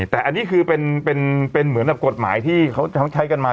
แต่อันนี้คือเป็นเหมือนกับกฎหมายที่เขาใช้กันมา